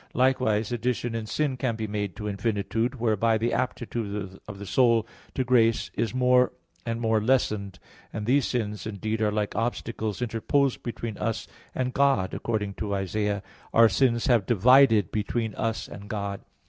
Likewise, addition in sin can be made to infinitude, whereby the aptitude of the soul to grace is more and more lessened; and these sins, indeed, are like obstacles interposed between us and God, according to Isa. 59:2: "Our sins have divided between us and God."